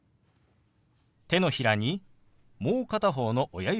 手のひらにもう片方の親指を当てます。